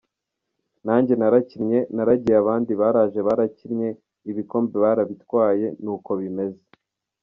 Nanjye narakinnye, naragiye abandi baraje barakinnye, ibikombe barabitwaye, ni uko bimeze.